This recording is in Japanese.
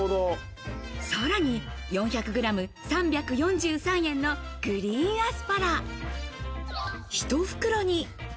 さらに４００グラム３４３円のグリーンアスパラ。